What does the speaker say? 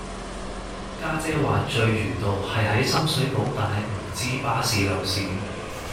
家姐話聚魚道係喺深水埗但係唔知巴士路線